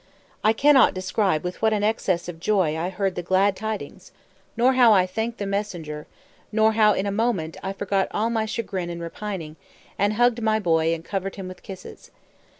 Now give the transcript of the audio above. I cannot describe with what an access of joy I heard the glad tidings, nor how I thanked the messenger, nor how in a moment I forgot all my chagrin and repining, and hugged my boy and covered him with kisses.